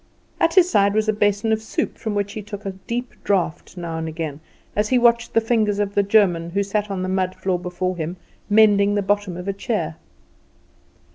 At his side was a basin of soup, from which he took a deep draught now and again as he watched the fingers of the German, who sat on the mud floor mending the bottom of a chair.